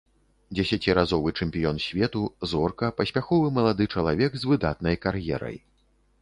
Дзесяціразовы чэмпіён свету, зорка, паспяховы малады чалавек з выдатнай кар'ерай.